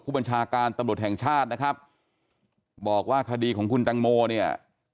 บัญชาการตำรวจแห่งชาตินะครับบอกว่าคดีของคุณตังโมเนี่ย